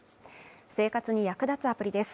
生活に役立つアプリです。